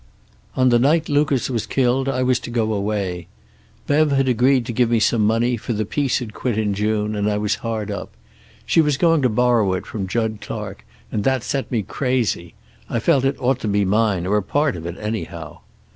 "On the night Lucas was killed I was to go away. Bev had agreed to give me some money, for the piece had quit in June and I was hard up. She was going to borrow it from Jud Clark, and that set me crazy. I felt it ought to be mine, or a part of it anyhow.